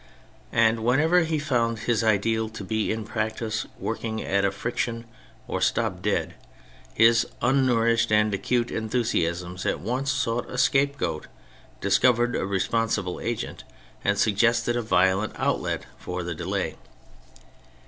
And whenever he found his ideal to be in practice working at a friction or stopped dead, his unnourished and acute enthusiasms at once sought a scapegoat, dis covered a responsible agent, and suggested a violent outlet, for the delay.